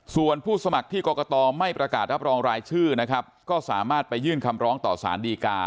ส่วนผู้สมัครที่กรกตไม่ประกาศรับรองรายชื่อนะครับก็สามารถไปยื่นคำร้องต่อสารดีกา